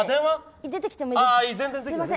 出てきてもいいですか。